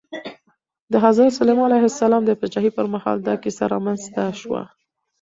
د حضرت سلیمان علیه السلام د پاچاهۍ پر مهال دا کیسه رامنځته شوه.